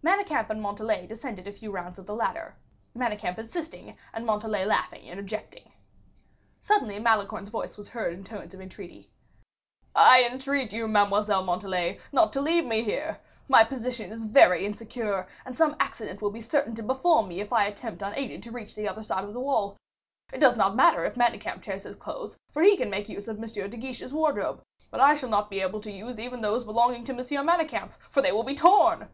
Manicamp and Montalais descended a few rounds of the ladder, Manicamp insisting, and Montalais laughing and objecting. Suddenly Malicorne's voice was heard in tones of entreaty: "I entreat you, Mademoiselle Montalais, not to leave me here. My position is very insecure, and some accident will be certain to befall me, if I attempt unaided to reach the other side of the wall; it does not matter if Manicamp tears his clothes, for he can make use of M. de Guiche's wardrobe; but I shall not be able to use even those belonging to M. Manicamp, for they will be torn."